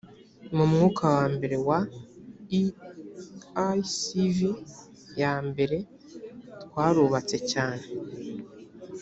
mu mwaka wa mbere wa eicv yambere twarubatse cyane